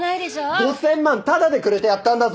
５，０００万タダでくれてやったんだぞ！